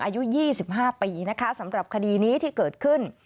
อายุ๒๕ปีนะคะสำหรับคดีนี้ที่เกิดขึ้น